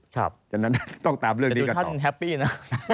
แต่ดูท่านแฮปปี้นะ